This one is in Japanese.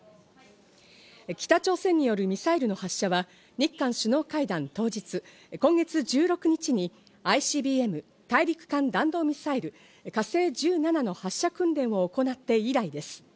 北朝鮮によるミサイルの発射は日韓首脳会談当日、今月１６日にＩＣＢＭ＝大陸間弾道ミサイル「火星１７」の発射訓練を行って以来です。